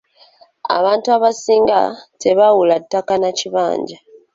Abantu abasinga tebaawula ttaka na kibanja.